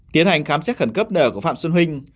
tiến hành khám xét khẩn cấp nợ của phạm xuân huynh